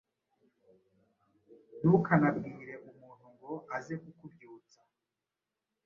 Ntukanabwire umuntu ngo aze kukubyutsa